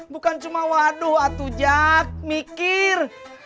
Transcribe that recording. bukan cuma waduh atau jak mikir